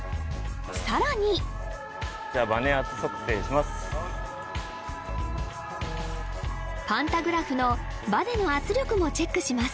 さらにじゃあパンタグラフのバネの圧力もチェックします